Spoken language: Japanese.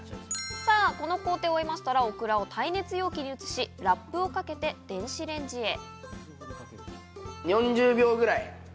この工程を終えましたら、オクラを耐熱容器に移し、ラップをかけて電子レンジへ。